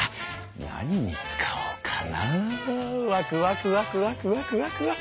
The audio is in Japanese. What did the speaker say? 何に使おうかなワクワクワクワクワクワクワク！